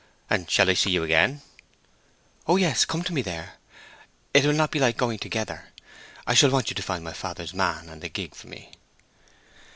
"And shall I see you again?" "Oh yes—come to me there. It will not be like going together. I shall want you to find my father's man and the gig for me."